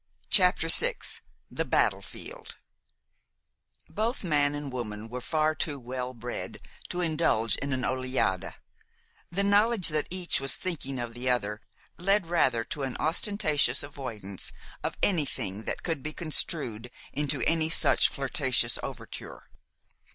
CHAPTER VI THE BATTLEFIELD Both man and woman were far too well bred to indulge in an oeillade. The knowledge that each was thinking of the other led rather to an ostentatious avoidance of anything that could be construed into any such flirtatious overture.